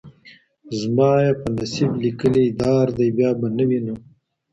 زما یې په نصیب لیکلی دار دی بیا به نه وینو